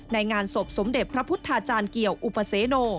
งานศพสมเด็จพระพุทธาจารย์เกี่ยวอุปเสโน